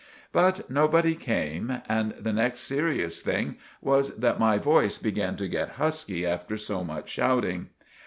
But nobody came and the next serious thing was that my voice began to get husky after so much shouting.